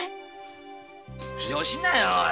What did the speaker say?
よしなよ